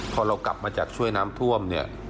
พอเรากลับมาจากช่วยน้ำท่วมเนี่ย